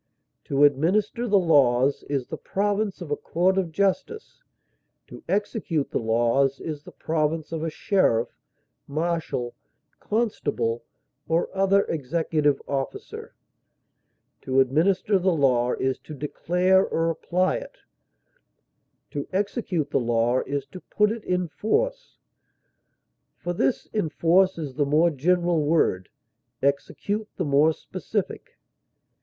To administer the laws is the province of a court of justice; to execute the laws is the province of a sheriff, marshal, constable, or other executive officer; to administer the law is to declare or apply it; to execute the law is to put it in force; for this enforce is the more general word, execute the more specific.